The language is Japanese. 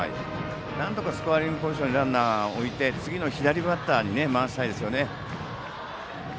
なんとかスコアリングポジションにランナーを置いて次の左バッターに回したいですよね。